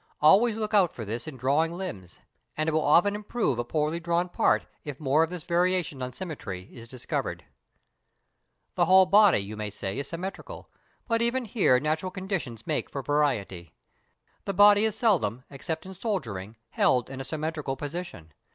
Always look out for this in drawing limbs, and it will often improve a poorly drawn part if more of this variation on symmetry is discovered. The whole body, you may say, is symmetrical, but even here natural conditions make for variety. The body is seldom, except in soldiering, held in a symmetrical position.